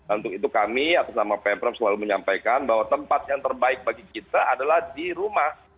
untuk itu kami atas nama pemprov selalu menyampaikan bahwa tempat yang terbaik bagi kita adalah di rumah